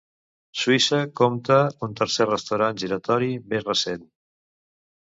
Suïssa compta un tercer restaurant giratori, més recent.